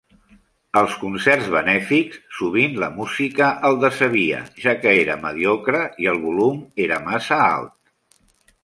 Als concerts benèfics, sovint la música el decebia, ja que era mediocre i el volum era massa alt.